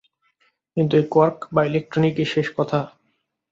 কিন্তু এই কোয়ার্ক বা ইলেকট্রনই কি শেষ কথা!